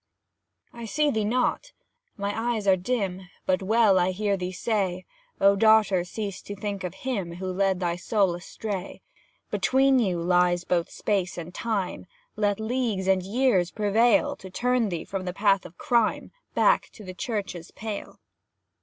I see thee not, my eyes are dim; But well I hear thee say, "O daughter cease to think of him Who led thy soul astray. "Between you lies both space and time; Let leagues and years prevail To turn thee from the path of crime, Back to the Church's pale."